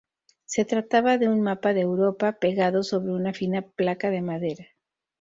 Se trataba de un mapa de Europa, pegado sobre una fina placa de madera.